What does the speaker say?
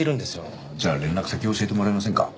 じゃあ連絡先教えてもらえませんか？